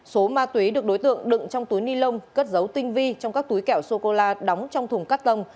số ma túy được đối tượng đựng trong túi ni lông cất dấu tinh vi trong các túi kẹo sô cô la đóng trong thùng cắt tông